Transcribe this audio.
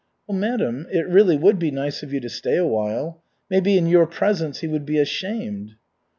"Well, madam, it really would be nice of you to stay a while. Maybe in your presence he would be ashamed."